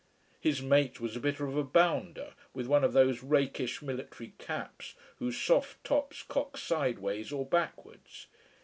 His mate was a bit of a bounder, with one of those rakish military caps whose soft tops cock sideways or backwards.